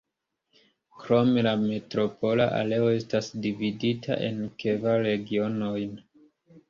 Krome, la metropola areo estas dividita en kvar regionojn.